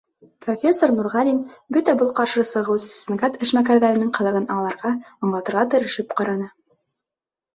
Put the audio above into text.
Профессор Нурғәлин бөтә был «ҡаршы сығыусы» сәнғәт эшмәкәрҙәренең ҡылығын аңларға, аңлатырға тырышып ҡараны.